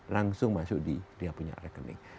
langsung masuk di dia punya rekening